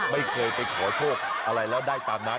ไม่เคยไปขอโทษอะไรแล้วได้ตามนั้น